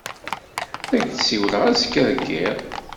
Ad ak-d-siwleɣ azekka deg yiḍ.